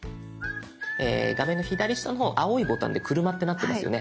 画面の左下の方青いボタンで「車」ってなってますよね。